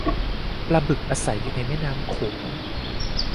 ปลาบึกอาศัยอยู่ในแม่น้ำโขง